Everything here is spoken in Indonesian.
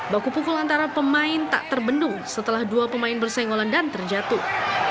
baku pukul antara pemain tak terbendung setelah dua pemain bersenggolan dan terjatuh